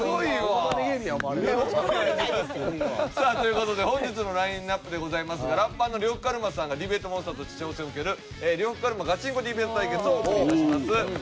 さあという事で本日のラインアップでございますがラッパーの呂布カルマさんがディベートモンスターとして挑戦を受ける呂布カルマガチンコディベート対決をお送り致します。